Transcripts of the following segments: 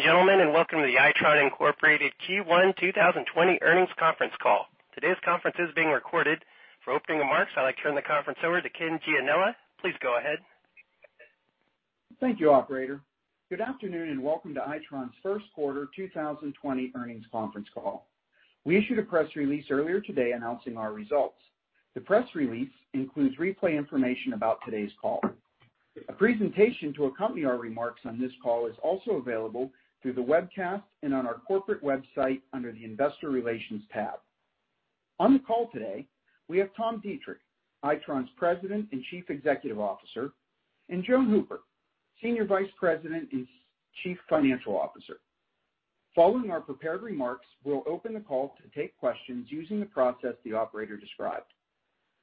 Good day, ladies and gentlemen, and welcome to the Itron, Inc. Q1 2020 earnings conference call. Today's conference is being recorded. For opening remarks, I'd like to turn the conference over to Kenneth Gianella. Please go ahead. Thank you, operator. Good afternoon, and welcome to Itron's first quarter 2020 earnings conference call. We issued a press release earlier today announcing our results. The press release includes replay information about today's call. A presentation to accompany our remarks on this call is also available through the webcast and on our corporate website under the investor relations tab. On the call today, we have Tom Deitrich, Itron's President and Chief Executive Officer, and Joan Hooper, Senior Vice President and Chief Financial Officer. Following our prepared remarks, we'll open the call to take questions using the process the operator described.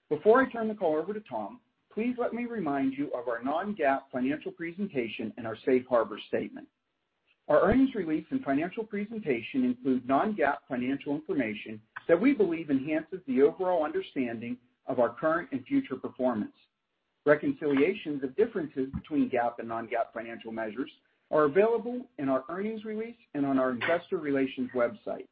Before I turn the call over to Tom, please let me remind you of our non-GAAP financial presentation and our safe harbor statement. Reconciliations of differences between GAAP and non-GAAP financial measures are available in our earnings release and on our investor relations website.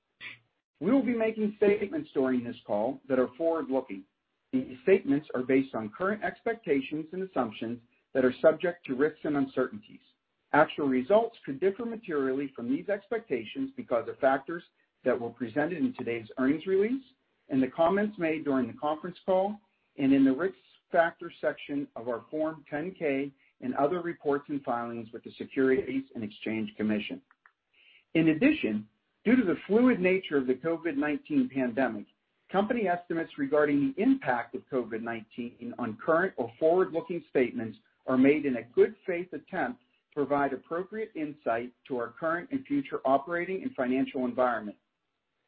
We will be making statements during this call that are forward-looking. These statements are based on current expectations and assumptions that are subject to risks and uncertainties. Actual results could differ materially from these expectations because of factors that were presented in today's earnings release and the comments made during the conference call and in the risk factors section of our Form 10-K and other reports and filings with the Securities and Exchange Commission. In addition, due to the fluid nature of the COVID-19 pandemic, company estimates regarding the impact of COVID-19 on current or forward-looking statements are made in a good faith attempt to provide appropriate insight to our current and future operating and financial environment.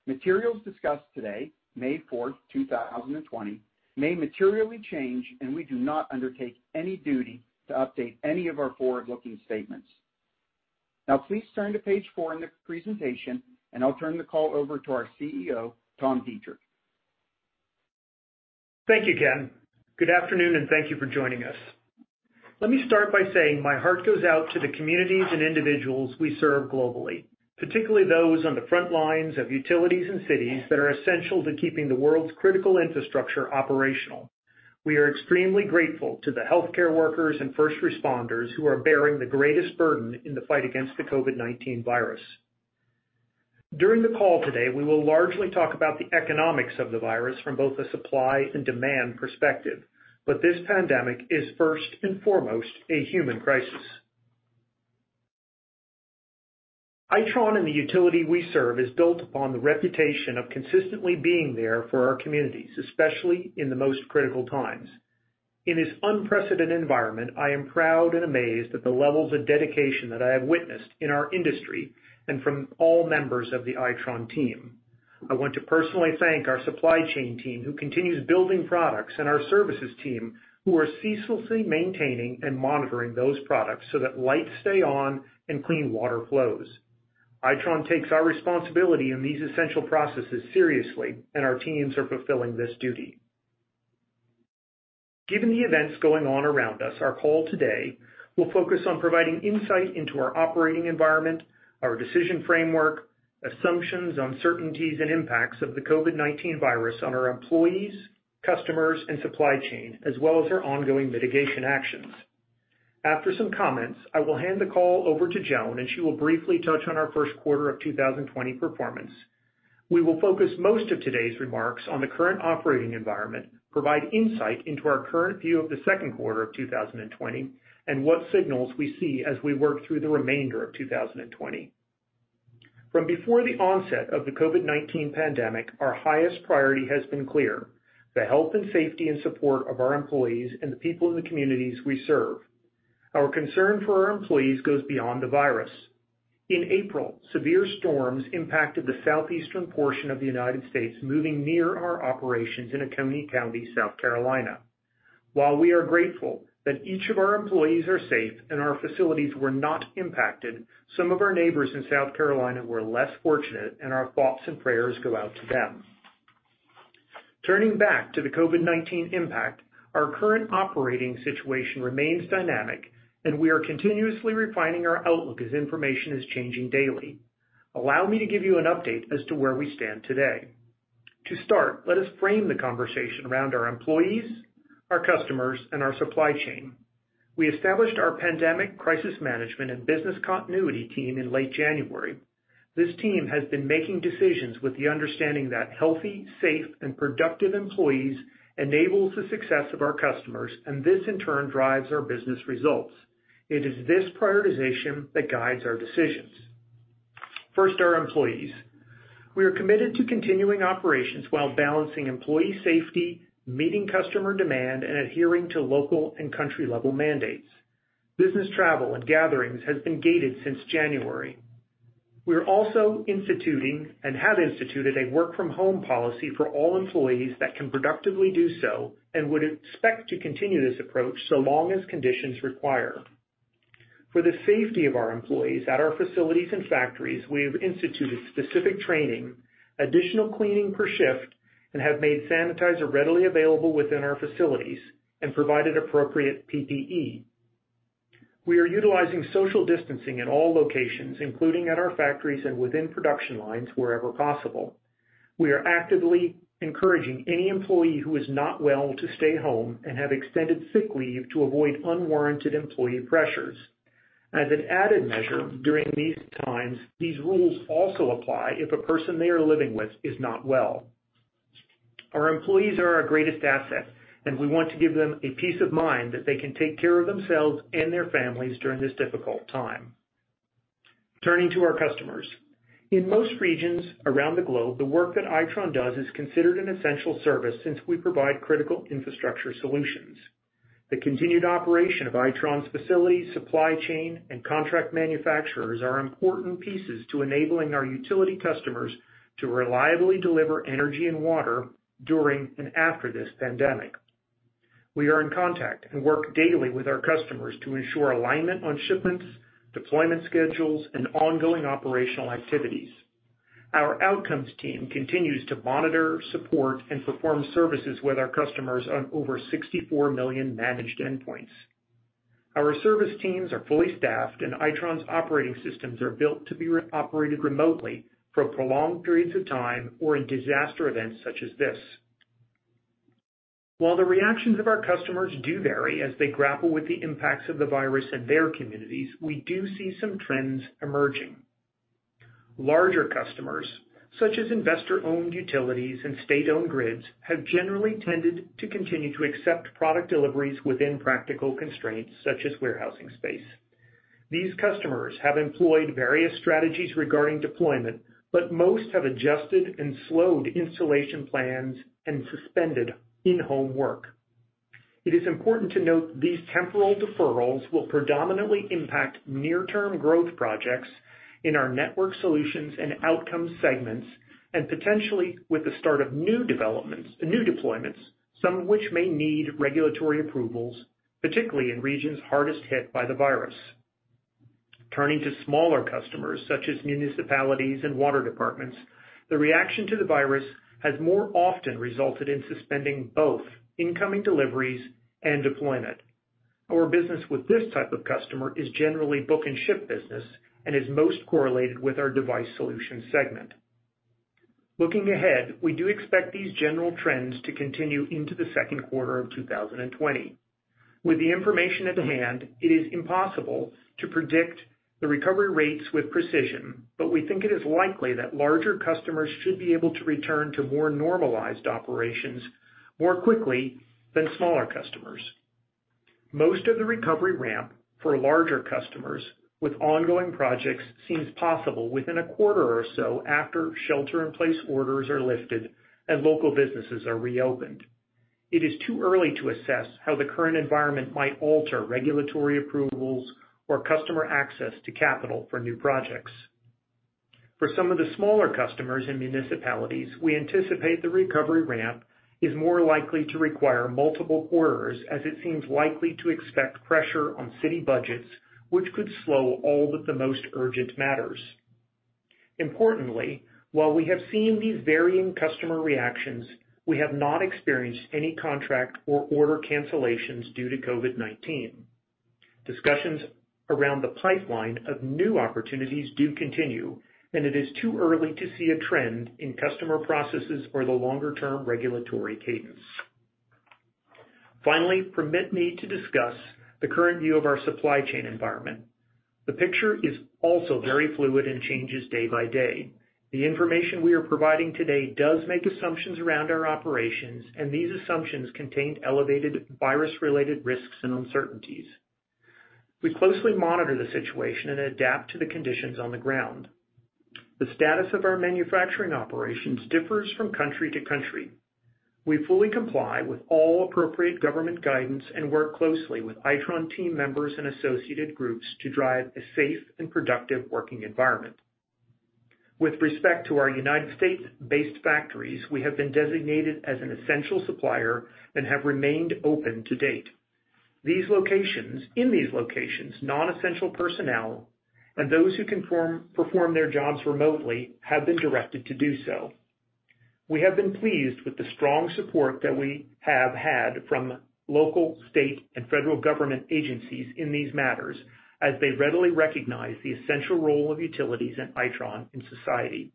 Materials discussed today, May 4th, 2020, may materially change, and we do not undertake any duty to update any of our forward-looking statements. Now please turn to page four in the presentation, and I'll turn the call over to our CEO, Tom Deitrich. Thank you, Ken. Good afternoon, and thank you for joining us. Let me start by saying my heart goes out to the communities and individuals we serve globally, particularly those on the front lines of utilities and cities that are essential to keeping the world's critical infrastructure operational. We are extremely grateful to the healthcare workers and first responders who are bearing the greatest burden in the fight against the COVID-19 virus. During the call today, we will largely talk about the economics of the virus from both a supply and demand perspective, but this pandemic is first and foremost a human crisis. Itron and the utility we serve is built upon the reputation of consistently being there for our communities, especially in the most critical times. In this unprecedented environment, I am proud and amazed at the levels of dedication that I have witnessed in our industry and from all members of the Itron team. I want to personally thank our supply chain team, who continues building products, and our services team, who are ceaselessly maintaining and monitoring those products so that lights stay on and clean water flows. Itron takes our responsibility in these essential processes seriously, and our teams are fulfilling this duty. Given the events going on around us, our call today will focus on providing insight into our operating environment, our decision framework, assumptions, uncertainties, and impacts of the COVID-19 virus on our employees, customers, and supply chain, as well as our ongoing mitigation actions. After some comments, I will hand the call over to Joan, and she will briefly touch on our first quarter of 2020 performance. We will focus most of today's remarks on the current operating environment, provide insight into our current view of the second quarter of 2020, and what signals we see as we work through the remainder of 2020. From before the onset of the COVID-19 pandemic, our highest priority has been clear, the health and safety and support of our employees and the people in the communities we serve. Our concern for our employees goes beyond the virus. In April, severe storms impacted the southeastern portion of the United States, moving near our operations in Oconee County, South Carolina. While we are grateful that each of our employees are safe and our facilities were not impacted, some of our neighbors in South Carolina were less fortunate, and our thoughts and prayers go out to them. Turning back to the COVID-19 impact, our current operating situation remains dynamic, and we are continuously refining our outlook as information is changing daily. Allow me to give you an update as to where we stand today. To start, let us frame the conversation around our employees, our customers, and our supply chain. We established our pandemic crisis management and business continuity team in late January. This team has been making decisions with the understanding that healthy, safe, and productive employees enables the success of our customers, and this in turn drives our business results. It is this prioritization that guides our decisions. First, our employees. We are committed to continuing operations while balancing employee safety, meeting customer demand, and adhering to local and country-level mandates. Business travel and gatherings has been gated since January. We are also instituting and have instituted a work-from-home policy for all employees that can productively do so and would expect to continue this approach so long as conditions require. For the safety of our employees at our facilities and factories, we have instituted specific training, additional cleaning per shift, and have made sanitizer readily available within our facilities and provided appropriate PPE. We are utilizing social distancing at all locations, including at our factories and within production lines wherever possible. We are actively encouraging any employee who is not well to stay home and have extended sick leave to avoid unwarranted employee pressures. As an added measure during these times, these rules also apply if a person they are living with is not well. Our employees are our greatest asset, and we want to give them a peace of mind that they can take care of themselves and their families during this difficult time. Turning to our customers. In most regions around the globe, the work that Itron does is considered an essential service since we provide critical infrastructure solutions. The continued operation of Itron's facilities, supply chain, and contract manufacturers are important pieces to enabling our utility customers to reliably deliver energy and water during and after this pandemic. We are in contact and work daily with our customers to ensure alignment on shipments, deployment schedules, and ongoing operational activities. Our Outcomes team continues to monitor, support, and perform services with our customers on over 64 million managed endpoints. Our service teams are fully staffed. Itron's operating systems are built to be operated remotely for prolonged periods of time or in disaster events such as this. While the reactions of our customers do vary as they grapple with the impacts of the virus in their communities, we do see some trends emerging. Larger customers, such as investor-owned utilities and state-owned grids, have generally tended to continue to accept product deliveries within practical constraints such as warehousing space. These customers have employed various strategies regarding deployment. Most have adjusted and slowed installation plans and suspended in-home work. It is important to note these temporal deferrals will predominantly impact near-term growth projects in our Networked Solutions and Outcomes segments, and potentially with the start of new deployments, some of which may need regulatory approvals, particularly in regions hardest hit by the virus. Turning to smaller customers, such as municipalities and water departments, the reaction to the virus has more often resulted in suspending both incoming deliveries and deployment. Our business with this type of customer is generally book and ship business and is most correlated with our Device Solutions segment. Looking ahead, we do expect these general trends to continue into the second quarter of 2020. With the information at hand, it is impossible to predict the recovery rates with precision, but we think it is likely that larger customers should be able to return to more normalized operations more quickly than smaller customers. Most of the recovery ramp for larger customers with ongoing projects seems possible within a quarter or so after shelter in place orders are lifted and local businesses are reopened. It is too early to assess how the current environment might alter regulatory approvals or customer access to capital for new projects. For some of the smaller customers and municipalities, we anticipate the recovery ramp is more likely to require multiple quarters as it seems likely to expect pressure on city budgets, which could slow all but the most urgent matters. Importantly, while we have seen these varying customer reactions, we have not experienced any contract or order cancellations due to COVID-19. Discussions around the pipeline of new opportunities do continue, and it is too early to see a trend in customer processes or the longer-term regulatory cadence. Finally, permit me to discuss the current view of our supply chain environment. The picture is also very fluid and changes day by day. The information we are providing today does make assumptions around our operations, and these assumptions contain elevated virus-related risks and uncertainties. We closely monitor the situation and adapt to the conditions on the ground. The status of our manufacturing operations differs from country to country. We fully comply with all appropriate government guidance and work closely with Itron team members and associated groups to drive a safe and productive working environment. With respect to our U.S.-based factories, we have been designated as an essential supplier and have remained open to date. In these locations, non-essential personnel and those who can perform their jobs remotely have been directed to do so. We have been pleased with the strong support that we have had from local, state, and federal government agencies in these matters, as they readily recognize the essential role of utilities and Itron in society.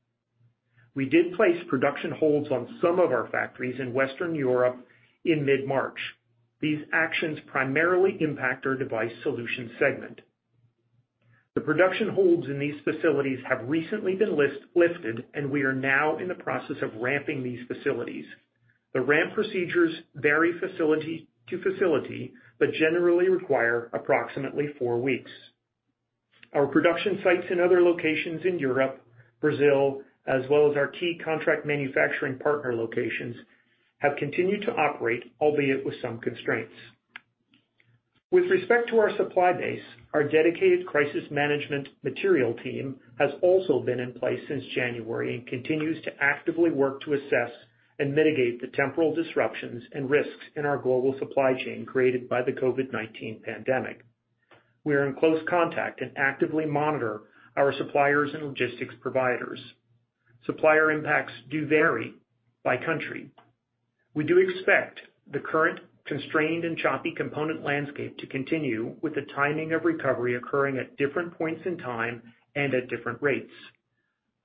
We did place production holds on some of our factories in Western Europe in mid-March. These actions primarily impact our Device Solutions segment. The production holds in these facilities have recently been lifted, and we are now in the process of ramping these facilities. The ramp procedures vary facility to facility, but generally require approximately four weeks. Our production sites in other locations in Europe, Brazil, as well as our key contract manufacturing partner locations, have continued to operate, albeit with some constraints. With respect to our supply base, our dedicated crisis management material team has also been in place since January and continues to actively work to assess and mitigate the temporal disruptions and risks in our global supply chain created by the COVID-19 pandemic. We are in close contact and actively monitor our suppliers and logistics providers. Supplier impacts do vary by country. We do expect the current constrained and choppy component landscape to continue, with the timing of recovery occurring at different points in time and at different rates.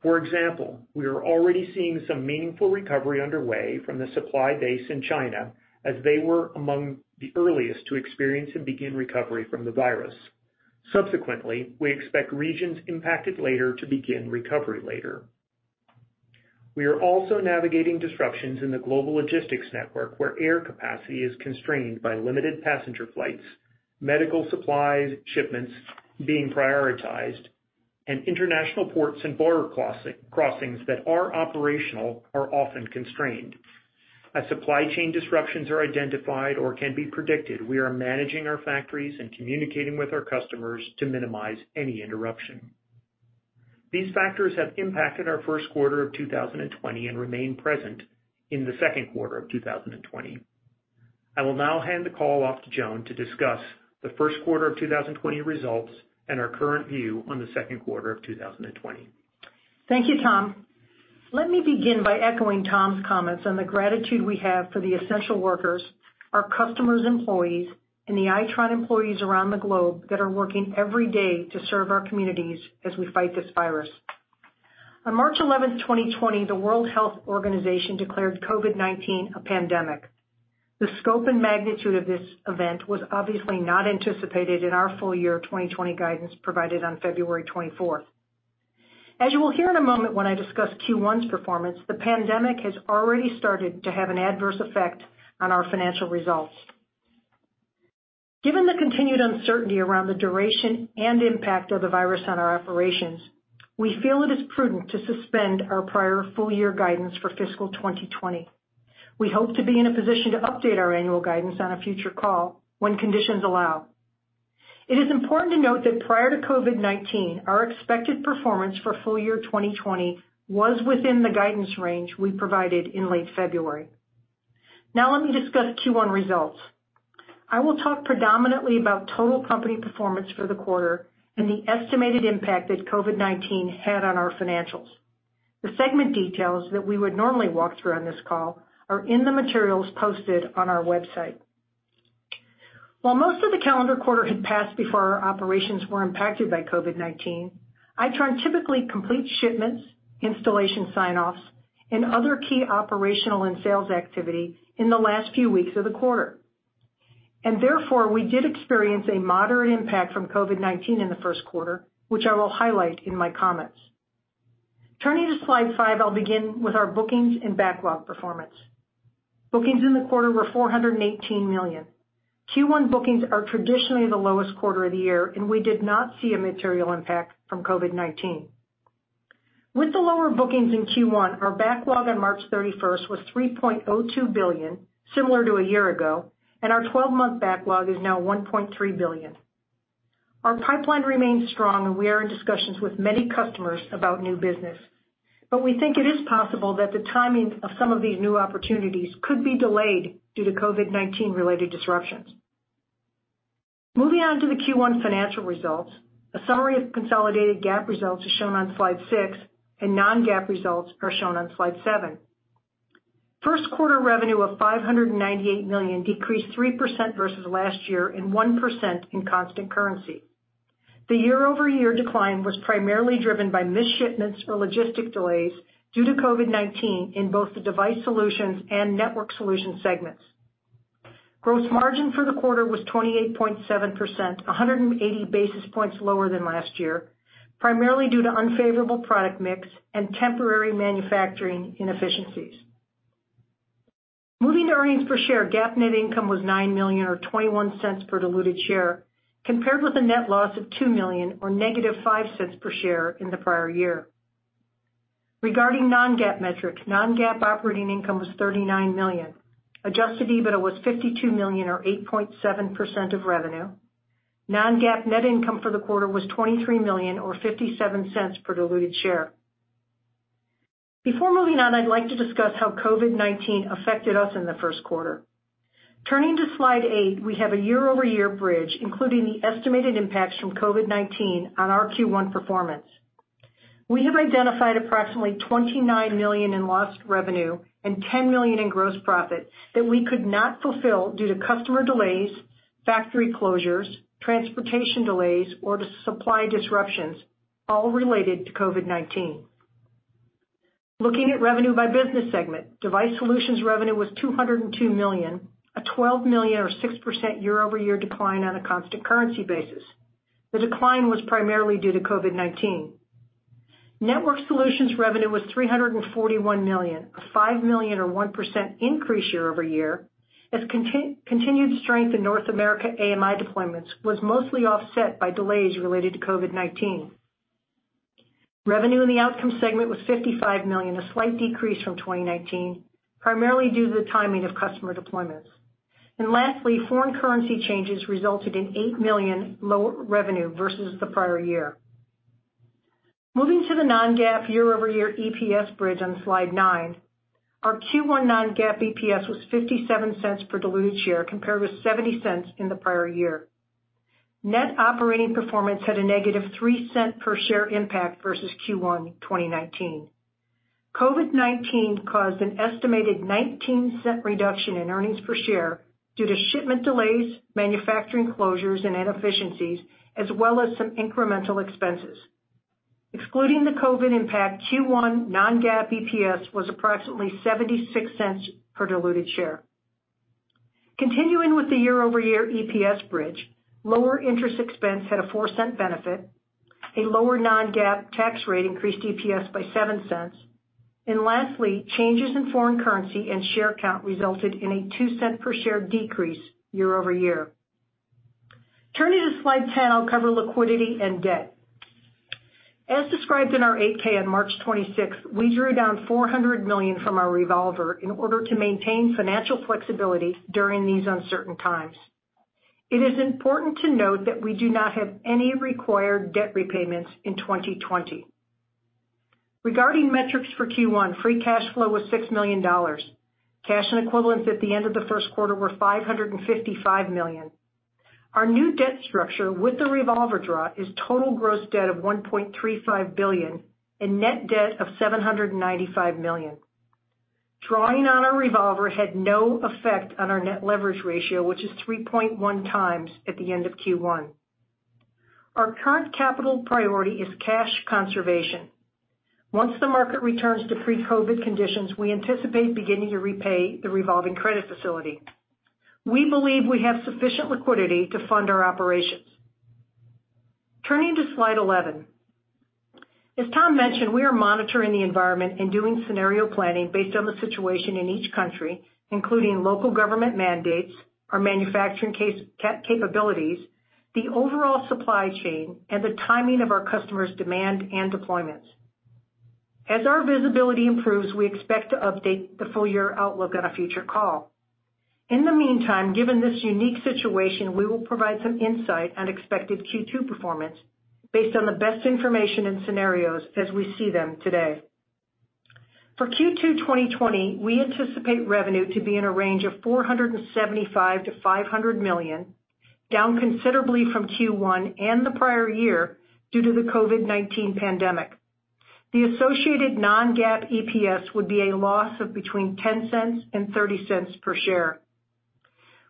For example, we are already seeing some meaningful recovery underway from the supply base in China as they were among the earliest to experience and begin recovery from the virus. Subsequently, we expect regions impacted later to begin recovery later. We are also navigating disruptions in the global logistics network, where air capacity is constrained by limited passenger flights, medical supplies shipments being prioritized, and international ports and border crossings that are operational are often constrained. As supply chain disruptions are identified or can be predicted, we are managing our factories and communicating with our customers to minimize any interruption. These factors have impacted our first quarter of 2020 and remain present in the second quarter of 2020. I will now hand the call off to Joan to discuss the first quarter of 2020 results and our current view on the second quarter of 2020. Thank you, Tom. Let me begin by echoing Tom's comments on the gratitude we have for the essential workers, our customers' employees, and the Itron employees around the globe that are working every day to serve our communities as we fight this virus. On March 11, 2020, the World Health Organization declared COVID-19 a pandemic. The scope and magnitude of this event was obviously not anticipated in our full year 2020 guidance provided on February 24th. As you will hear in a moment when I discuss Q1's performance, the pandemic has already started to have an adverse effect on our financial results. Given the continued uncertainty around the duration and impact of the virus on our operations, we feel it is prudent to suspend our prior full year guidance for fiscal 2020. We hope to be in a position to update our annual guidance on a future call when conditions allow. It is important to note that prior to COVID-19, our expected performance for full year 2020 was within the guidance range we provided in late February. Now let me discuss Q1 results. I will talk predominantly about total company performance for the quarter and the estimated impact that COVID-19 had on our financials. The segment details that we would normally walk through on this call are in the materials posted on our website. While most of the calendar quarter had passed before our operations were impacted by COVID-19, Itron typically completes shipments, installation sign-offs, and other key operational and sales activity in the last few weeks of the quarter. Therefore, we did experience a moderate impact from COVID-19 in the first quarter, which I will highlight in my comments. Turning to slide five, I'll begin with our bookings and backlog performance. Bookings in the quarter were $418 million. Q1 bookings are traditionally the lowest quarter of the year, and we did not see a material impact from COVID-19. With the lower bookings in Q1, our backlog on March 31st was $3.02 billion, similar to a year ago, and our 12-month backlog is now $1.3 billion. Our pipeline remains strong, and we are in discussions with many customers about new business. We think it is possible that the timing of some of these new opportunities could be delayed due to COVID-19 related disruptions. Moving on to the Q1 financial results. A summary of consolidated GAAP results is shown on slide six, and non-GAAP results are shown on slide seven. First quarter revenue of $598 million decreased 3% versus last year and 1% in constant currency. The year-over-year decline was primarily driven by missed shipments or logistic delays due to COVID-19 in both the Device Solutions and Networked Solutions segments. Gross margin for the quarter was 28.7%, 180 basis points lower than last year, primarily due to unfavorable product mix and temporary manufacturing inefficiencies. Moving to earnings per share, GAAP net income was $9 million, or $0.21 per diluted share, compared with a net loss of $2 million or -$0.05 per share in the prior year. Regarding non-GAAP metrics, non-GAAP operating income was $39 million. Adjusted EBITDA was $52 million, or 8.7% of revenue. Non-GAAP net income for the quarter was $23 million or $0.57 per diluted share. Before moving on, I'd like to discuss how COVID-19 affected us in the first quarter. Turning to slide eight, we have a year-over-year bridge, including the estimated impacts from COVID-19 on our Q1 performance. We have identified approximately $29 million in lost revenue and $10 million in gross profit that we could not fulfill due to customer delays, factory closures, transportation delays, or to supply disruptions, all related to COVID-19. Looking at revenue by business segment, Device Solutions revenue was $202 million, a $12 million or 6% year-over-year decline on a constant currency basis. The decline was primarily due to COVID-19. Networked Solutions revenue was $341 million, a $5 million or 1% increase year-over-year, as continued strength in North America AMI deployments was mostly offset by delays related to COVID-19. Revenue in the Outcomes segment was $55 million, a slight decrease from 2019, primarily due to the timing of customer deployments. Lastly, foreign currency changes resulted in $8 million lower revenue versus the prior year. Moving to the non-GAAP year-over-year EPS bridge on slide nine. Our Q1 non-GAAP EPS was $0.57 per diluted share compared with $0.70 in the prior year. Net operating performance had a negative $0.03 per share impact versus Q1 2019. COVID-19 caused an estimated $0.19 reduction in earnings per share due to shipment delays, manufacturing closures, and inefficiencies, as well as some incremental expenses. Excluding the COVID impact, Q1 non-GAAP EPS was approximately $0.76 per diluted share. Continuing with the year-over-year EPS bridge, lower interest expense had a $0.04 benefit. A lower non-GAAP tax rate increased EPS by $0.07. Lastly, changes in foreign currency and share count resulted in a $0.02 per share decrease year-over-year. Turning to slide 10, I'll cover liquidity and debt. As described in our 8-K on March 26th, we drew down $400 million from our revolver in order to maintain financial flexibility during these uncertain times. It is important to note that we do not have any required debt repayments in 2020. Regarding metrics for Q1, free cash flow was $6 million. Cash and equivalents at the end of the first quarter were $555 million. Our new debt structure with the revolver draw is total gross debt of $1.35 billion and net debt of $795 million. Drawing on our revolver had no effect on our net leverage ratio, which is 3.1x at the end of Q1. Our current capital priority is cash conservation. Once the market returns to pre-COVID conditions, we anticipate beginning to repay the revolving credit facility. We believe we have sufficient liquidity to fund our operations. Turning to slide 11. As Tom mentioned, we are monitoring the environment and doing scenario planning based on the situation in each country, including local government mandates, our manufacturing capabilities, the overall supply chain, and the timing of our customers' demand and deployments. As our visibility improves, we expect to update the full-year outlook on a future call. In the meantime, given this unique situation, we will provide some insight on expected Q2 performance based on the best information and scenarios as we see them today. For Q2 2020, we anticipate revenue to be in a range of $475 million-$500 million, down considerably from Q1 and the prior year due to the COVID-19 pandemic. The associated non-GAAP EPS would be a loss of between $0.10 and $0.30 per share.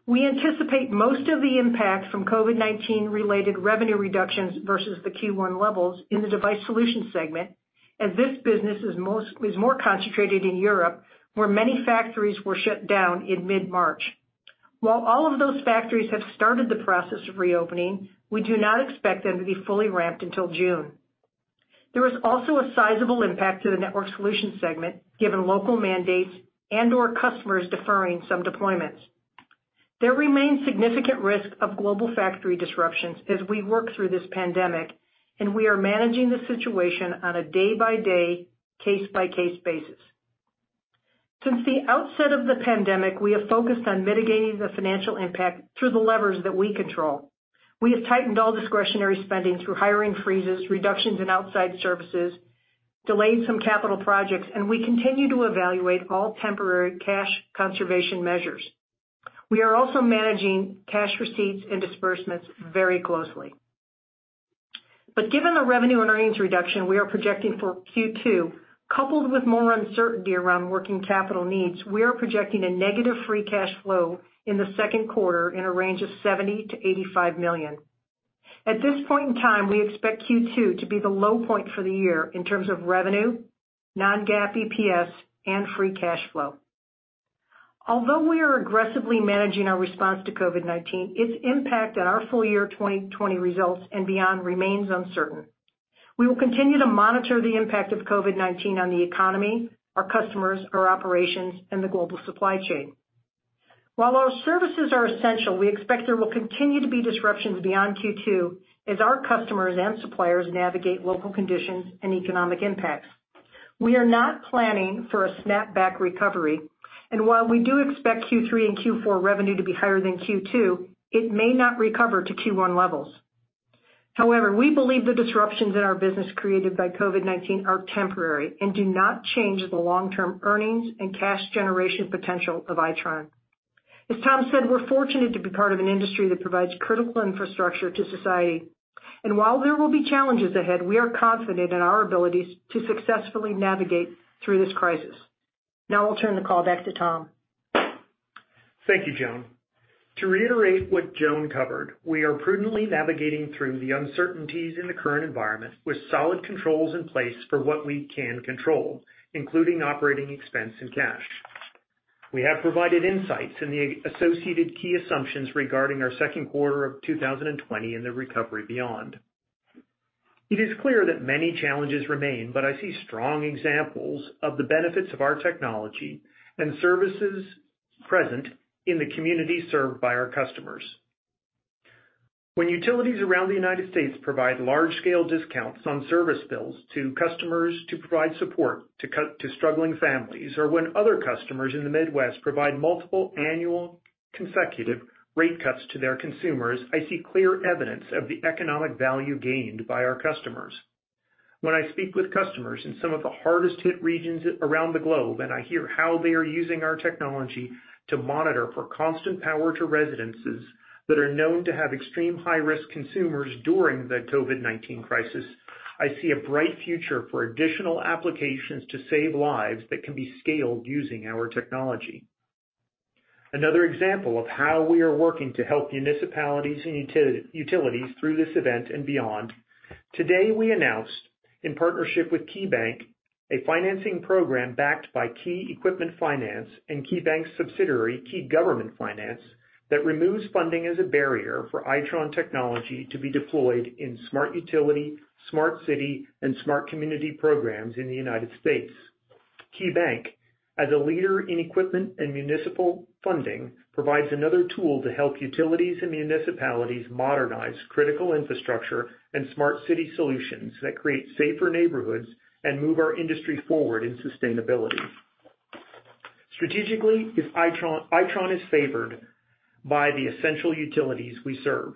We anticipate most of the impact from COVID-19 related revenue reductions versus the Q1 levels in the Device Solutions segment, as this business is more concentrated in Europe, where many factories were shut down in mid-March. While all of those factories have started the process of reopening, we do not expect them to be fully ramped until June. There is also a sizable impact to the Networked Solutions segment, given local mandates and/or customers deferring some deployments. There remains significant risk of global factory disruptions as we work through this pandemic, and we are managing the situation on a day-by-day, case-by-case basis. Since the outset of the pandemic, we have focused on mitigating the financial impact through the levers that we control. We have tightened all discretionary spending through hiring freezes, reductions in outside services, delayed some capital projects, and we continue to evaluate all temporary cash conservation measures. We are also managing cash receipts and disbursements very closely. Given the revenue and earnings reduction we are projecting for Q2, coupled with more uncertainty around working capital needs, we are projecting a negative free cash flow in the second quarter in a range of $70 million-$85 million. At this point in time, we expect Q2 to be the low point for the year in terms of revenue, non-GAAP EPS, and free cash flow. Although we are aggressively managing our response to COVID-19, its impact on our full year 2020 results and beyond remains uncertain. We will continue to monitor the impact of COVID-19 on the economy, our customers, our operations, and the global supply chain. While our services are essential, we expect there will continue to be disruptions beyond Q2 as our customers and suppliers navigate local conditions and economic impacts. We are not planning for a snapback recovery, and while we do expect Q3 and Q4 revenue to be higher than Q2, it may not recover to Q1 levels. However, we believe the disruptions in our business created by COVID-19 are temporary and do not change the long-term earnings and cash generation potential of Itron. As Tom said, we're fortunate to be part of an industry that provides critical infrastructure to society. While there will be challenges ahead, we are confident in our abilities to successfully navigate through this crisis. Now I'll turn the call back to Tom. Thank you, Joan. To reiterate what Joan covered, we are prudently navigating through the uncertainties in the current environment with solid controls in place for what we can control, including operating expense and cash. We have provided insights and the associated key assumptions regarding our second quarter of 2020 and the recovery beyond. It is clear that many challenges remain, but I see strong examples of the benefits of our technology and services present in the communities served by our customers. When utilities around the U.S. provide large-scale discounts on service bills to customers to provide support to struggling families or when other customers in the Midwest provide multiple annual consecutive rate cuts to their consumers, I see clear evidence of the economic value gained by our customers. When I speak with customers in some of the hardest hit regions around the globe, and I hear how they are using our technology to monitor for constant power to residences that are known to have extreme high-risk consumers during the COVID-19 crisis, I see a bright future for additional applications to save lives that can be scaled using our technology. Another example of how we are working to help municipalities and utilities through this event and beyond, today, we announced, in partnership with KeyBank, a financing program backed by Key Equipment Finance and KeyBank's subsidiary, Key Government Finance, that removes funding as a barrier for Itron technology to be deployed in smart utility, smart city, and smart community programs in the U.S. KeyBank, as a leader in equipment and municipal funding, provides another tool to help utilities and municipalities modernize critical infrastructure and smart city solutions that create safer neighborhoods and move our industry forward in sustainability. Strategically, Itron is favored by the essential utilities we serve.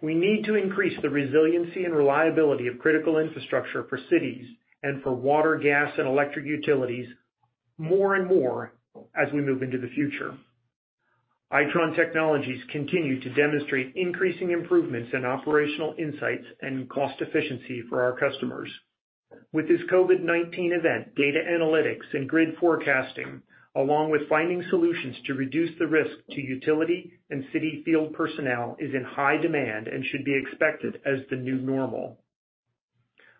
We need to increase the resiliency and reliability of critical infrastructure for cities and for water, gas, and electric utilities more and more as we move into the future. Itron technologies continue to demonstrate increasing improvements in operational insights and cost efficiency for our customers. With this COVID-19 event, data analytics and grid forecasting, along with finding solutions to reduce the risk to utility and city field personnel, is in high demand and should be expected as the new normal.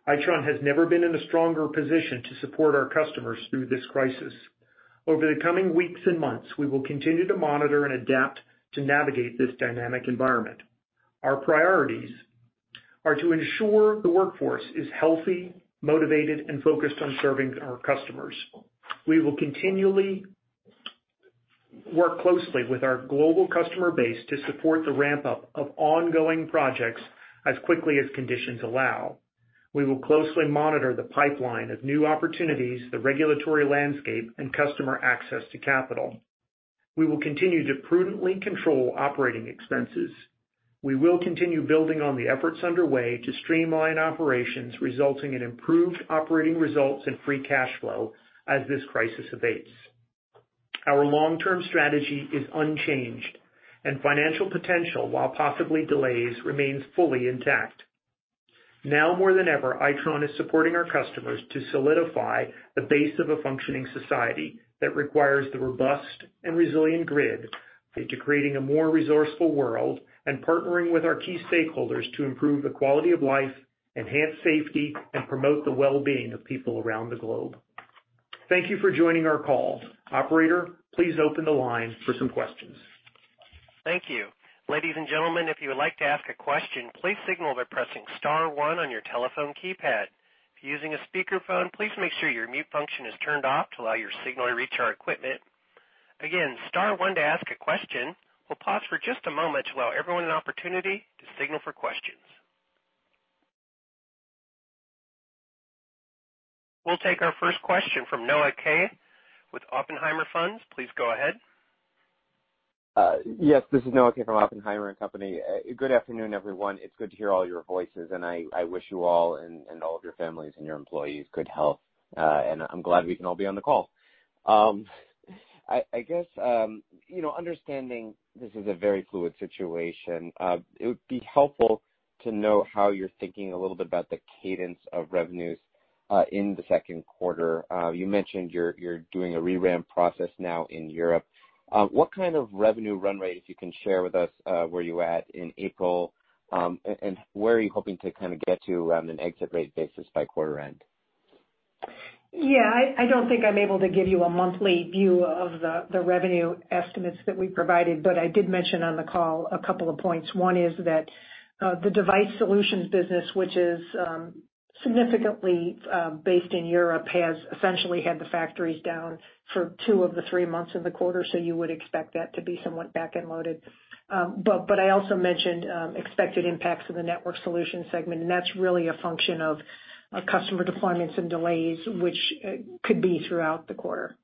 Itron has never been in a stronger position to support our customers through this crisis. Over the coming weeks and months, we will continue to monitor and adapt to navigate this dynamic environment. Our priorities are to ensure the workforce is healthy, motivated, and focused on serving our customers. We will continually work closely with our global customer base to support the ramp-up of ongoing projects as quickly as conditions allow. We will closely monitor the pipeline of new opportunities, the regulatory landscape, and customer access to capital. We will continue to prudently control operating expenses. We will continue building on the efforts underway to streamline operations, resulting in improved operating results and free cash flow as this crisis abates. Our long-term strategy is unchanged, and financial potential, while possibly delays, remains fully intact. Now more than ever, Itron is supporting our customers to solidify the base of a functioning society that requires the robust and resilient grid to creating a more resourceful world and partnering with our key stakeholders to improve the quality of life, enhance safety, and promote the well-being of people around the globe. Thank you for joining our call. Operator, please open the line for some questions. Thank you. Ladies and gentlemen, if you would like to ask a question, please signal by pressing star one on your telephone keypad. If you're using a speakerphone, please make sure your mute function is turned off to allow your signal to reach our equipment. Again, star one to ask a question. We'll pause for just a moment to allow everyone an opportunity to signal for questions. We'll take our first question from Noah Kaye with Oppenheimer & Co. Please go ahead. Yes, this is Noah Kaye from Oppenheimer & Co. Good afternoon, everyone. It's good to hear all your voices, and I wish you all and all of your families and your employees good health. I'm glad we can all be on the call. I guess, understanding this is a very fluid situation, it would be helpful to know how you're thinking a little bit about the cadence of revenues in the second quarter. You mentioned you're doing a re-ramp process now in Europe. What kind of revenue run rates you can share with us, where you at in April, and where are you hoping to kind of get to on an exit rate basis by quarter end? Yeah, I don't think I'm able to give you a monthly view of the revenue estimates that we provided, but I did mention on the call a couple of points. One is that the Device Solutions business, which is significantly based in Europe, has essentially had the factories down for two of the three months of the quarter, so you would expect that to be somewhat back-end loaded. I also mentioned expected impacts of the Networked Solutions segment, and that's really a function of customer deployments and delays, which could be throughout the quarter.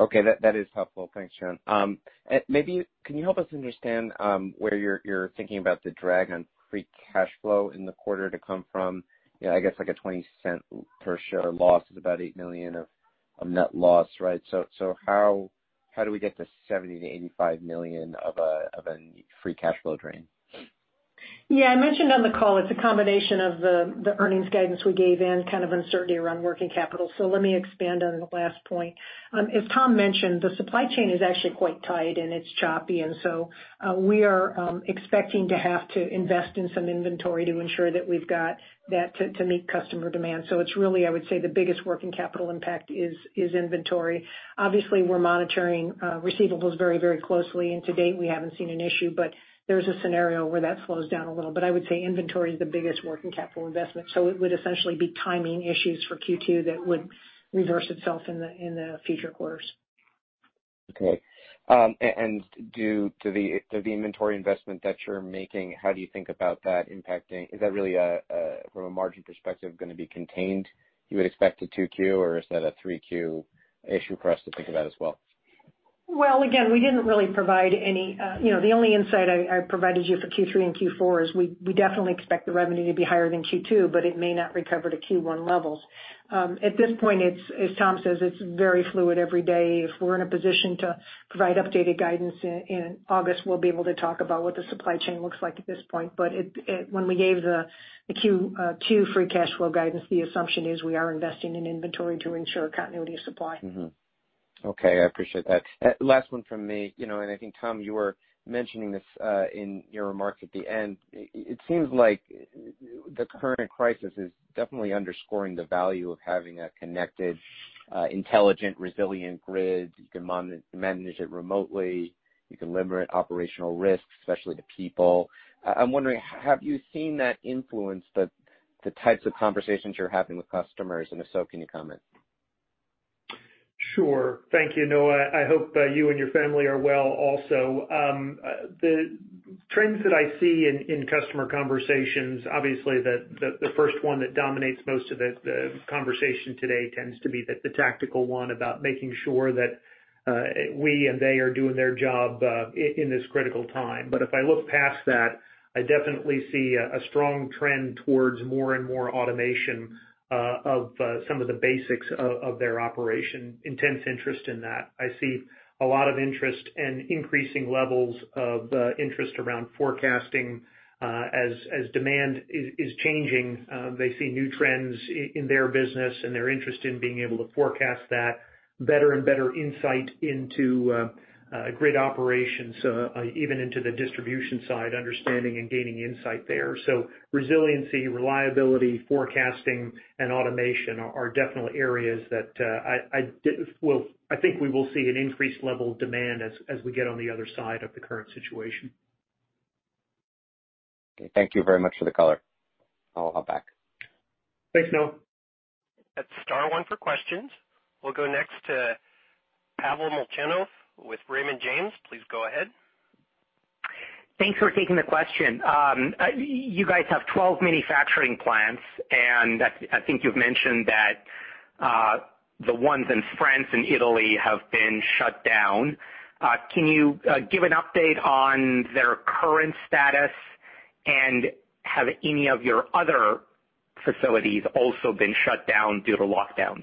Okay, that is helpful. Thanks, Joan Hooper. Can you help us understand where you're thinking about the drag on free cash flow in the quarter to come from? I guess like a $0.20 per share loss is about $8 million of net loss, right? How do we get to $70 million-$85 million of a free cash flow drain? Yeah, I mentioned on the call it's a combination of the earnings guidance we gave and kind of uncertainty around working capital. Let me expand on the last point. As Tom mentioned, the supply chain is actually quite tight, and it's choppy. We are expecting to have to invest in some inventory to ensure that we've got that to meet customer demand. It's really, I would say, the biggest working capital impact is inventory. Obviously, we're monitoring receivables very closely, and to date, we haven't seen an issue, but there's a scenario where that slows down a little. I would say inventory is the biggest working capital investment. It would essentially be timing issues for Q2 that would reverse itself in the future quarters. Okay. Due to the inventory investment that you're making, is that really, from a margin perspective, going to be contained you would expect to 2Q or is that a 3Q issue for us to think about as well? Well, again, the only insight I provided you for Q3 and Q4 is we definitely expect the revenue to be higher than Q2, but it may not recover to Q1 levels. At this point, as Tom says, it's very fluid every day. If we're in a position to provide updated guidance in August, we'll be able to talk about what the supply chain looks like at this point. When we gave the Q3 cash flow guidance, the assumption is we are investing in inventory to ensure continuity of supply. Okay. I appreciate that. Last one from me, and I think, Tom, you were mentioning this in your remarks at the end. It seems like the current crisis is definitely underscoring the value of having a connected, intelligent, resilient grid. You can manage it remotely. You can liberate operational risks, especially to people. I'm wondering, have you seen that influence the types of conversations you're having with customers, and if so, can you comment? Sure. Thank you, Noah. I hope you and your family are well also. The trends that I see in customer conversations, obviously, the first one that dominates most of the conversation today tends to be the tactical one about making sure that we and they are doing their job in this critical time. If I look past that, I definitely see a strong trend towards more and more automation of some of the basics of their operation. Intense interest in that. I see a lot of interest and increasing levels of interest around forecasting as demand is changing. They see new trends in their business, and they're interested in being able to forecast that. Better and better insight into grid operations, even into the distribution side, understanding and gaining insight there. Resiliency, reliability, forecasting, and automation are definitely areas that I think we will see an increased level of demand as we get on the other side of the current situation. Okay. Thank you very much for the color. I'll hop back. Thanks, Noah. Hit star one for questions. We'll go next to Pavel Molchanov with Raymond James. Please go ahead. Thanks for taking the question. You guys have 12 manufacturing plants, and I think you've mentioned that the ones in France and Italy have been shut down. Can you give an update on their current status? Have any of your other facilities also been shut down due to lockdowns?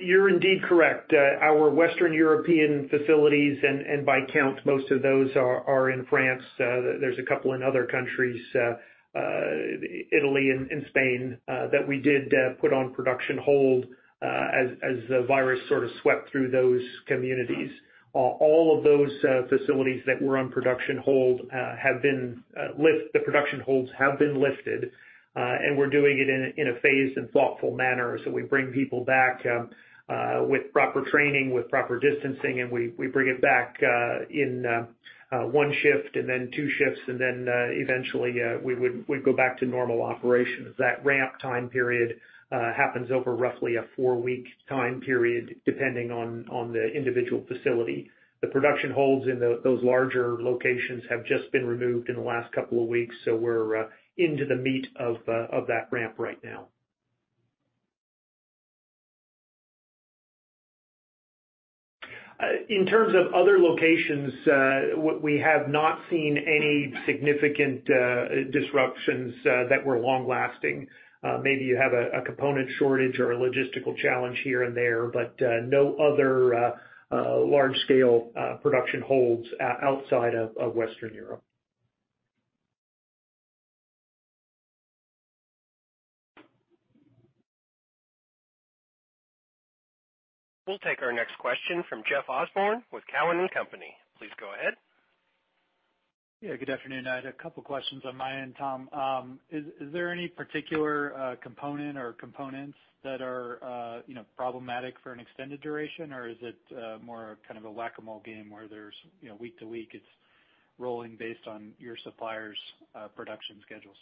You're indeed correct. Our Western European facilities, by count, most of those are in France. There's a couple in other countries, Italy and Spain, that we did put on production hold as the virus sort of swept through those communities. All of those facilities that were on production hold, the production holds have been lifted. We're doing it in a phased and thoughtful manner. We bring people back with proper training, with proper distancing, and we bring it back in 1 shift and then 2 shifts, and then eventually we would go back to normal operations. That ramp time period happens over roughly a four-week time period, depending on the individual facility. The production holds in those larger locations have just been removed in the last couple of weeks, so we're into the meat of that ramp right now. In terms of other locations, we have not seen any significant disruptions that were long-lasting. Maybe you have a component shortage or a logistical challenge here and there, but no other large-scale production holds outside of Western Europe. We'll take our next question from Jeff Osborne with TD Cowen Securities. Please go ahead. Yeah. Good afternoon. I had a couple questions on my end, Tom. Is there any particular component or components that are problematic for an extended duration, or is it more kind of a whack-a-mole game where there's week to week, it's rolling based on your suppliers' production schedules?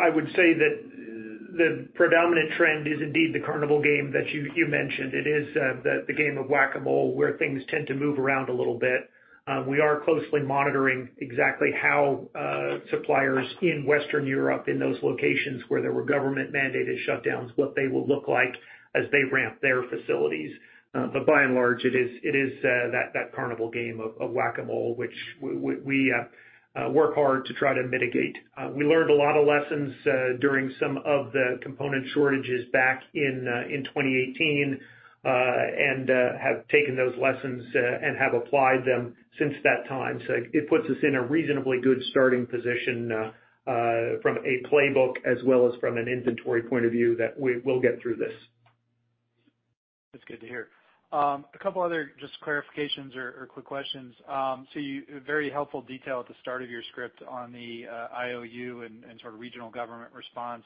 I would say that the predominant trend is indeed the carnival game that you mentioned. It is the game of whack-a-mole, where things tend to move around a little bit. We are closely monitoring exactly how suppliers in Western Europe, in those locations where there were government-mandated shutdowns, what they will look like as they ramp their facilities. By and large, it is that carnival game of whack-a-mole, which we work hard to try to mitigate. We learned a lot of lessons during some of the component shortages back in 2018, and have taken those lessons and have applied them since that time. It puts us in a reasonably good starting position from a playbook as well as from an inventory point of view that we'll get through this. That's good to hear. A couple other just clarifications or quick questions. Very helpful detail at the start of your script on the IOU and sort of regional government response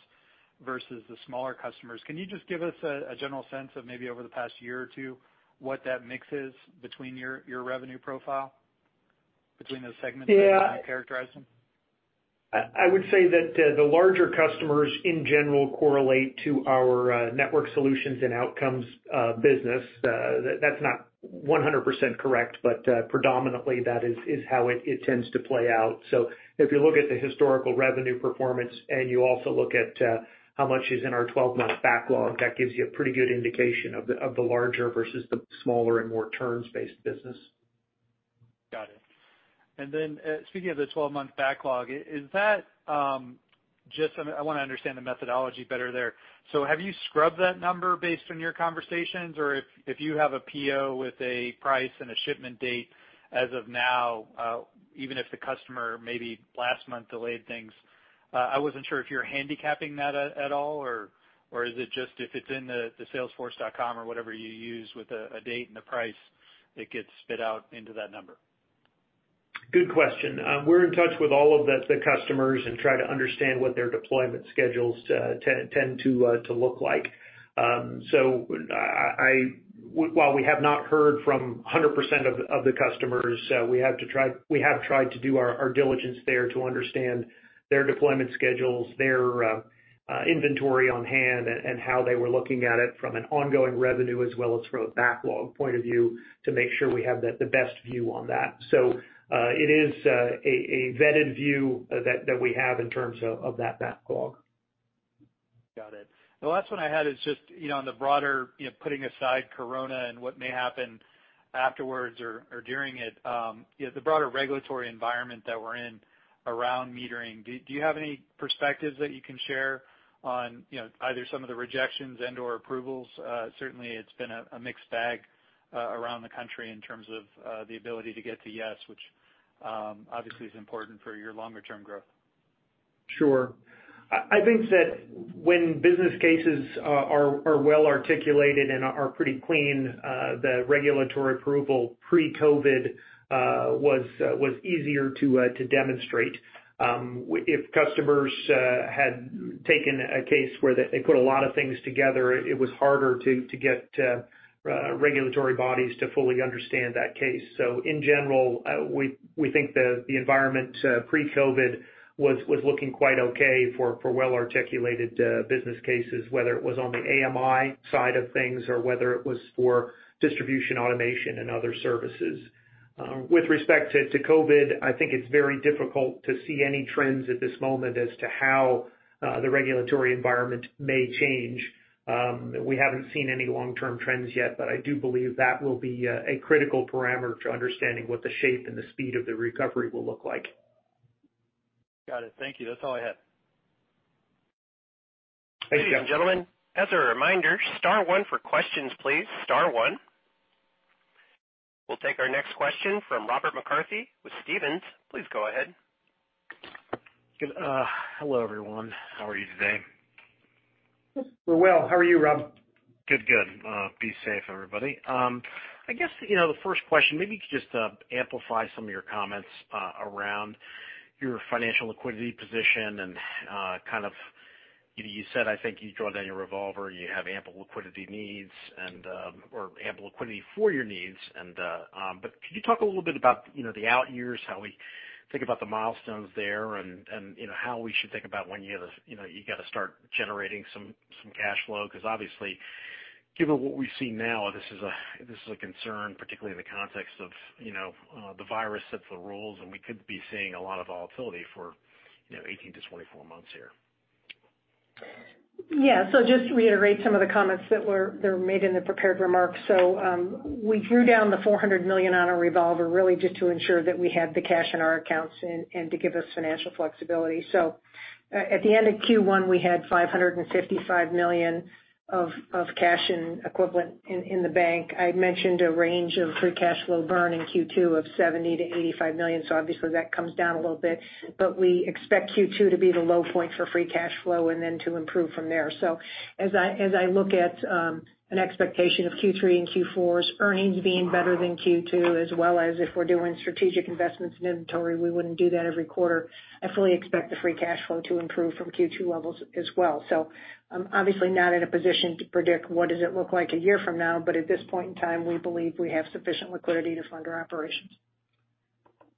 versus the smaller customers. Can you just give us a general sense of maybe over the past year or two, what that mix is between your revenue profile, between those segments? Yeah How you characterize them? I would say that the larger customers in general correlate to our Networked Solutions and Outcomes business. That's not 100% correct, but predominantly that is how it tends to play out. If you look at the historical revenue performance and you also look at how much is in our 12-month backlog, that gives you a pretty good indication of the larger versus the smaller and more terms-based business. Got it. Speaking of the 12-month backlog, I want to understand the methodology better there. Have you scrubbed that number based on your conversations, or if you have a PO with a price and a shipment date as of now, even if the customer maybe last month delayed things, I wasn't sure if you're handicapping that at all or is it just if it's in the salesforce.com or whatever you use with a date and a price, it gets spit out into that number? Good question. We're in touch with all of the customers and try to understand what their deployment schedules tend to look like. While we have not heard from 100% of the customers, we have tried to do our diligence there to understand their deployment schedules, their inventory on hand, and how they were looking at it from an ongoing revenue as well as from a backlog point of view to make sure we have the best view on that. It is a vetted view that we have in terms of that backlog. Got it. The last one I had is just on the broader, putting aside corona and what may happen afterwards or during it, the broader regulatory environment that we're in around metering, do you have any perspectives that you can share on either some of the rejections and/or approvals? Certainly it's been a mixed bag around the country in terms of the ability to get to yes, which obviously is important for your longer term growth. Sure. I think that when business cases are well-articulated and are pretty clean, the regulatory approval pre-COVID was easier to demonstrate. If customers had taken a case where they put a lot of things together, it was harder to get regulatory bodies to fully understand that case. In general, we think the environment pre-COVID was looking quite okay for well-articulated business cases, whether it was on the AMI side of things or whether it was for distribution automation and other services. With respect to COVID, I think it's very difficult to see any trends at this moment as to how the regulatory environment may change. We haven't seen any long-term trends yet, I do believe that will be a critical parameter to understanding what the shape and the speed of the recovery will look like. Got it. Thank you. That's all I had. Thanks, Jeff. Ladies and gentlemen, as a reminder, star one for questions, please. Star one. We'll take our next question from Robert McCarthy with Stephens. Please go ahead. Hello, everyone. How are you today? We're well. How are you, Rob? Good. Be safe, everybody. I guess the first question, maybe you could just amplify some of your comments around your financial liquidity position and kind of, you said, I think you draw down your revolver, you have ample liquidity needs or ample liquidity for your needs. Could you talk a little bit about the out years, how we think about the milestones there and how we should think about when you got to start generating some cash flow? Obviously, given what we see now, this is a concern, particularly in the context of the virus sets the rules, and we could be seeing a lot of volatility for 18-24 months here. Yeah. Just to reiterate some of the comments that were made in the prepared remarks. We drew down the $400 million on a revolver really just to ensure that we had the cash in our accounts and to give us financial flexibility. At the end of Q1, we had $555 million of cash and equivalent in the bank. I had mentioned a range of free cash flow burn in Q2 of $70 million-$85 million. Obviously that comes down a little bit, but we expect Q2 to be the low point for free cash flow and then to improve from there. As I look at an expectation of Q3 and Q4's earnings being better than Q2, as well as if we're doing strategic investments in inventory, we wouldn't do that every quarter. I fully expect the free cash flow to improve from Q2 levels as well. I'm obviously not in a position to predict what does it look like a year from now, but at this point in time, we believe we have sufficient liquidity to fund our operations.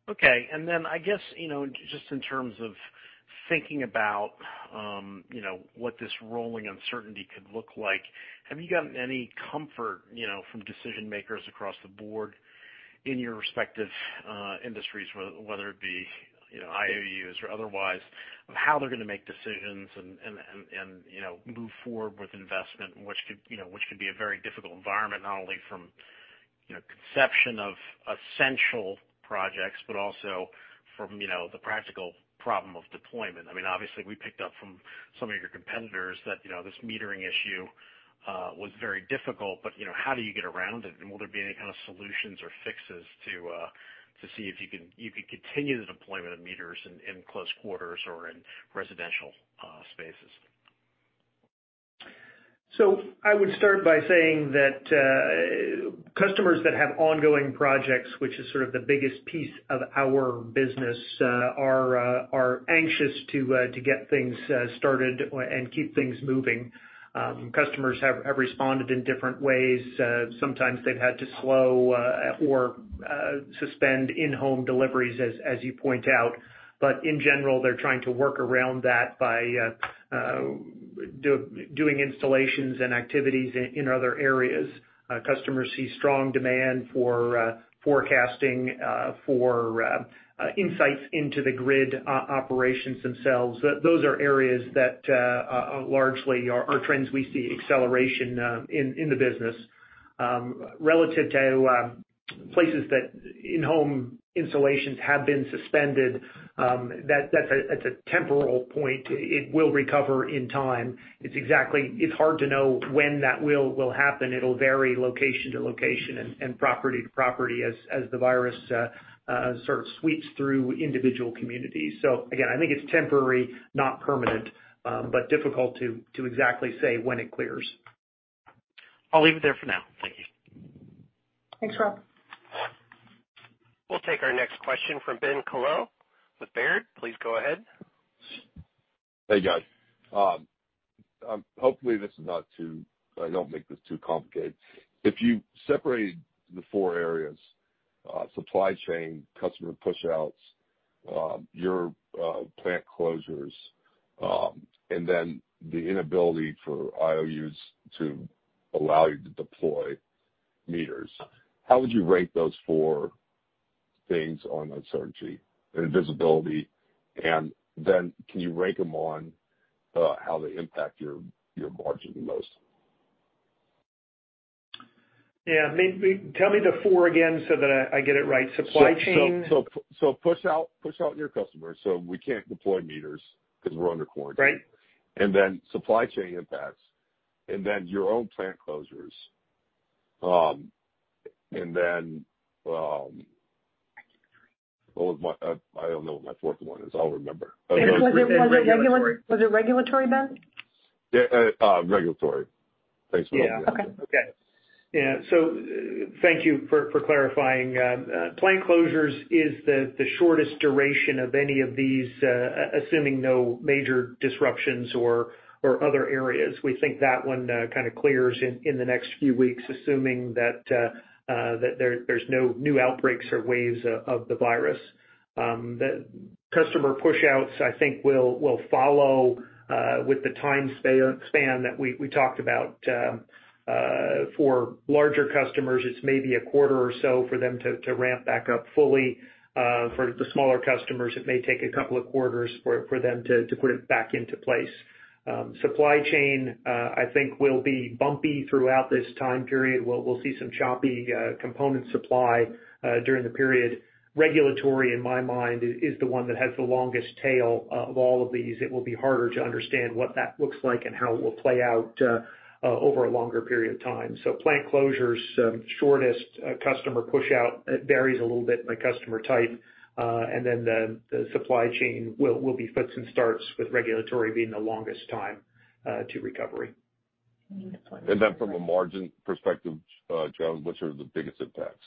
Okay. Then I guess just in terms of thinking about what this rolling uncertainty could look like, have you gotten any comfort from decision makers across the board in your respective industries, whether it be IOUs or otherwise, of how they're going to make decisions and move forward with investment, which could be a very difficult environment, not only from conception of essential projects, but also from the practical problem of deployment. I mean, obviously we picked up from some of your competitors that this metering issue was very difficult, how do you get around it? Will there be any kind of solutions or fixes to see if you could continue the deployment of meters in close quarters or in residential spaces? I would start by saying that customers that have ongoing projects, which is sort of the biggest piece of our business, are anxious to get things started and keep things moving. Customers have responded in different ways. Sometimes they've had to slow or suspend in-home deliveries, as you point out. In general, they're trying to work around that by doing installations and activities in other areas. Customers see strong demand for forecasting, for insights into the grid operations themselves. Those are areas that largely are trends we see acceleration in the business. Relative to places that in-home installations have been suspended, that's a temporal point. It will recover in time. It's hard to know when that will happen. It'll vary location to location and property to property as the virus sort of sweeps through individual communities. Again, I think it's temporary, not permanent, but difficult to exactly say when it clears. I'll leave it there for now. Thank you. Thanks, Rob. We'll take our next question from Ben Kallo with Robert W. Baird & Co. Please go ahead. Hey, guys. Hopefully, I don't make this too complicated. If you separated the four areas, supply chain, customer push-outs, your plant closures, and then the inability for IOUs to allow you to deploy meters, how would you rate those four things on uncertainty and visibility? Can you rank them on how they impact your margin the most? Yeah, tell me the four again so that I get it right. Push out your customers, so we can't deploy meters because we're under quarantine. Right. Supply chain impacts, and then your own plant closures, and then, I don't know what my fourth one is. I'll remember. Was it regulatory, Ben? Yeah, regulatory. Thanks for helping me out there. Okay. Okay. Yeah. Thank you for clarifying. Plant closures is the shortest duration of any of these, assuming no major disruptions or other areas. We think that one kind of clears in the next few weeks, assuming that there's no new outbreaks or waves of the virus. The customer push-outs, I think will follow with the time span that we talked about. For larger customers, it's maybe a quarter or so for them to ramp back up fully. For the smaller customers, it may take a couple of quarters for them to put it back into place. Supply chain, I think will be bumpy throughout this time period. We'll see some choppy component supply during the period. Regulatory, in my mind, is the one that has the longest tail of all of these. It will be harder to understand what that looks like and how it will play out over a longer period of time. Plant closures, shortest. Customer push-out, it varies a little bit by customer type. The supply chain will be fits and starts, with regulatory being the longest time to recovery. From a margin perspective, Joan, which are the biggest impacts?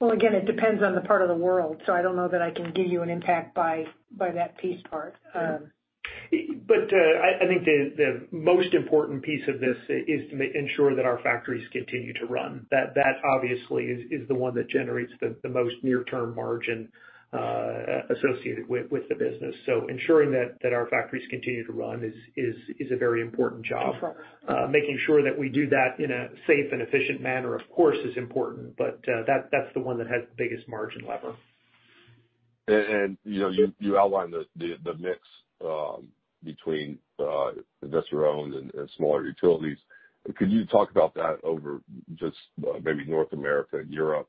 Well, again, it depends on the part of the world, so I don't know that I can give you an impact by that piece part. I think the most important piece of this is to ensure that our factories continue to run. That obviously is the one that generates the most near-term margin associated with the business. Ensuring that our factories continue to run is a very important job. Making sure that we do that in a safe and efficient manner, of course, is important, but that's the one that has the biggest margin lever. You outlined the mix between investor-owned and smaller utilities. Could you talk about that over just maybe North America and Europe?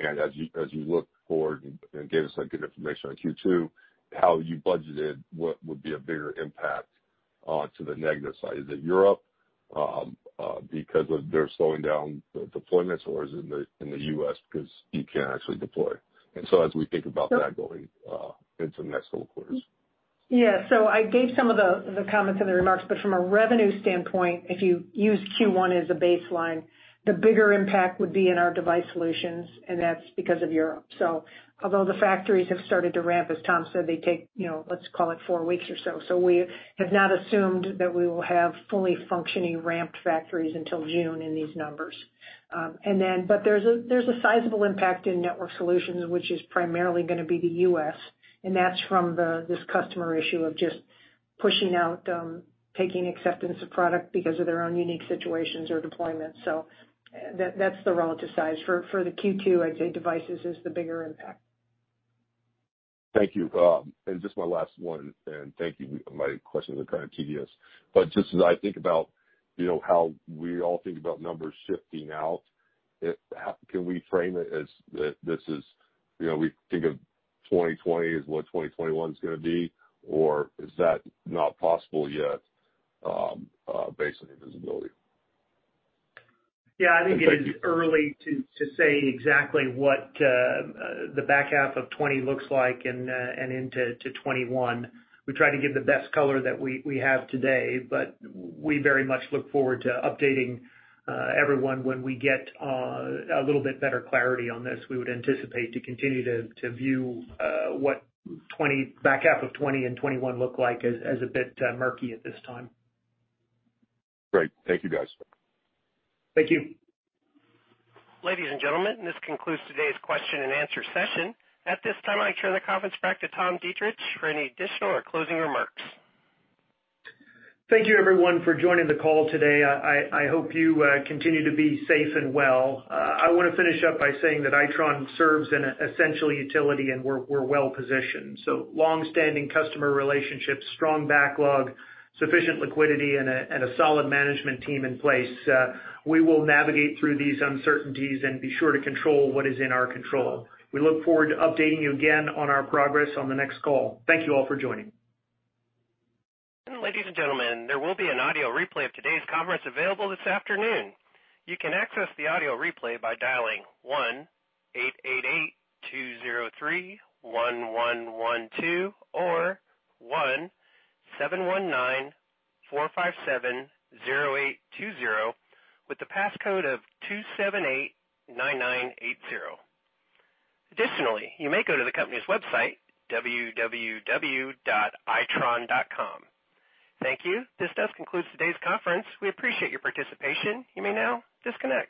As you look forward and gave us that good information on Q2, how you budgeted what would be a bigger impact onto the negative side? Is it Europe because they're slowing down the deployments, or is it the U.S. because you can't actually deploy, as we think about that going into the next couple of quarters? I gave some of the comments and the remarks, from a revenue standpoint, if you use Q1 as a baseline, the bigger impact would be in our Device Solutions, and that's because of Europe. Although the factories have started to ramp, as Tom said, they take, let's call it four weeks or so. We have not assumed that we will have fully functioning ramped factories until June in these numbers. There's a sizable impact in Networked Solutions, which is primarily going to be the U.S., that's from this customer issue of just pushing out, taking acceptance of product because of their own unique situations or deployments. That's the relative size. For the Q2, I'd say Devices is the bigger impact. Thank you. Just my last one, and thank you. My questions are kind of tedious. Just as I think about how we all think about numbers shifting out, can we frame it as this is, we think of 2020 as what 2021's going to be? Is that not possible yet based on the visibility? Yeah, I think it is early to say exactly what the back half of 2020 looks like and into 2021. We try to give the best color that we have today, but we very much look forward to updating everyone when we get a little bit better clarity on this. We would anticipate to continue to view what back half of 2020 and 2021 look like as a bit murky at this time. Great. Thank you, guys. Thank you. Ladies and gentlemen, this concludes today's question and answer session. At this time, I turn the conference back to Tom Deitrich for any additional or closing remarks. Thank you, everyone, for joining the call today. I hope you continue to be safe and well. I want to finish up by saying that Itron serves an essential utility, and we're well-positioned. Longstanding customer relationships, strong backlog, sufficient liquidity, and a solid management team in place. We will navigate through these uncertainties and be sure to control what is in our control. We look forward to updating you again on our progress on the next call. Thank you all for joining. Ladies and gentlemen, there will be an audio replay of today's conference available this afternoon. You can access the audio replay by dialing 1-888-203-1112 or 1-719-457-0820 with the passcode of 2789980. Additionally, you may go to the company's website, www.itron.com. Thank you. This does conclude today's conference. We appreciate your participation. You may now disconnect.